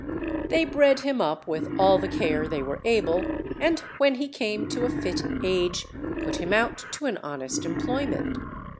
They bred him up with all the care they were able, and when he came to a fit age put him out to an honest employment.